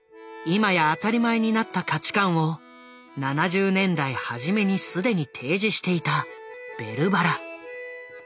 今や当たり前になった価値観を７０年代初めに既に提示していた「ベルばら」。